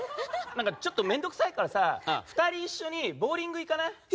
ちょっと面倒くさいからさ２人一緒にボウリング行かない？